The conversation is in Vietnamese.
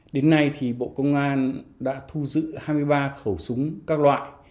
đến nay thì bộ công an đã thu giữ hai mươi ba khẩu súng các loại